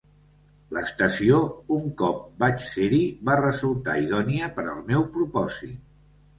L'estació, un cop vaig ser-hi, va resultar idònia per al meu propòsit.